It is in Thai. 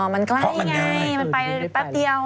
มันใกล้ไงมันไปแป๊บเดียว